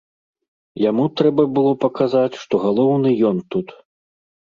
Яму трэба было паказаць, што галоўны ён тут.